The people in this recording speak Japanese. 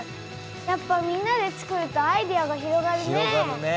やっぱみんなでつくるとアイデアが広がるね。